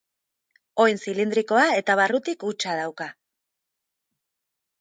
Oin zilindrikoa eta barrutik hutsa dauka.